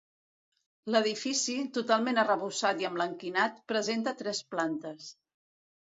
L'edifici, totalment arrebossat i emblanquinat, presenta tres plantes.